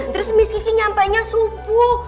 terus miss kiki nyampainya subuh